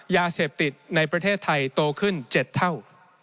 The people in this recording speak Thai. ยาเสพติดในประเทศไทยโตขึ้น๗เท่า